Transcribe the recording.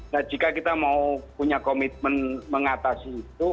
nah jika kita mau punya komitmen mengatasi itu